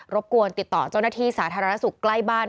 บกวนติดต่อเจ้าหน้าที่สาธารณสุขใกล้บ้าน